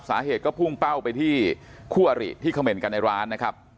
สาเหตุก็พุ่งเป้าไปที่คู่อริที่เขม่นกันในร้านนะครับ